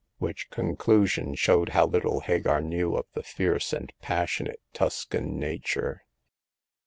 Which conclusion showed how little Hagar knew of the fierce and passionate Tuscan nature.